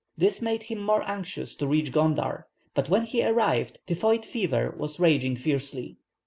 This made him most anxious to reach Gondar, but when he arrived typhoid fever was raging fiercely.